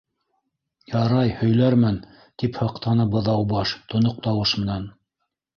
—Ярай, һөйләрмен, —тип һыҡтаны Быҙаубаш тоноҡ тауыш менән.